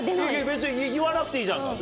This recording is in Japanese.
別に言わなくていいじゃんか。